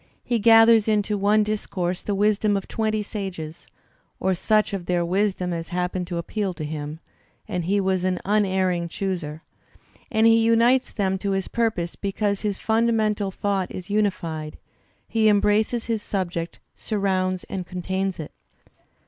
He gathers into one discourse the wisdom of twenty sages (or such of their wisdom as happened to appeal toUm, and he was an unerring chooser) , and he unites them to his purpose because his fimdamental thought is unified; he embraces his subject, surrounds and contains it.